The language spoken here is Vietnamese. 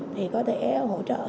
thì có thể hỗ trợ cho